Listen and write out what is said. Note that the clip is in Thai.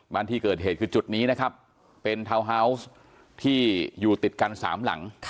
บ้านที่เกิดเหตุคือจุดนี้นะครับเป็นทาวน์ฮาวส์ที่อยู่ติดกันสามหลัง